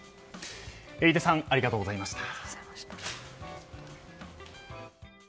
井出さんありがとうございました。